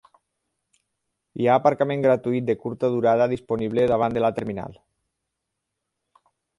Hi ha aparcament gratuït de curta durada disponible davant de la terminal.